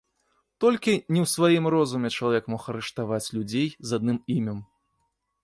Толькі не ў сваім розуме чалавек мог арыштаваць людзей з адным імем.